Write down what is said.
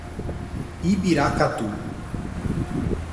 Ibiracatu